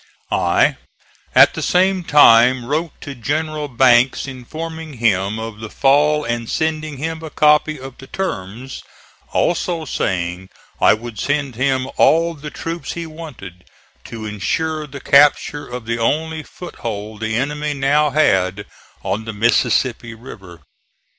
I at the same time wrote to General Banks informing him of the fall and sending him a copy of the terms; also saying I would send him all the troops he wanted to insure the capture of the only foothold the enemy now had on the Mississippi River.